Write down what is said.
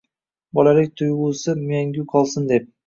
Bolalik tuygusi mangu kolsin deb